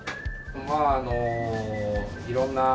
まああの色んな。